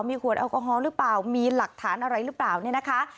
มีขวดแอลกอฮอลหรือเปล่ามีหลักฐานอะไรหรือเปล่าเนี่ยนะคะ